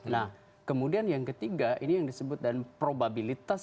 nah kemudian yang ketiga ini yang disebut dan probabilitas